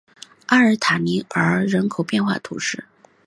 阿尔塔尼昂人口变化图示